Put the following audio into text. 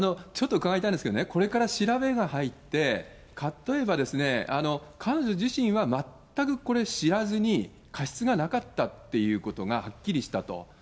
ちょっと伺いたいんですけれども、これから調べが入って、例えば彼女自身は全くこれ知らずに過失がなかったっていうことがはっきりしたと。